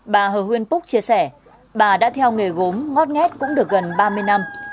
bà hờ huyên phúc chia sẻ bà đã theo nghề gốm ngót nghét cũng được gần ba mươi năm